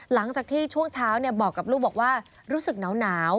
หลังจากที่ช่วงเช้าบอกกับลูกบอกว่ารู้สึกหนาว